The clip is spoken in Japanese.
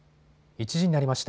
１時になりました。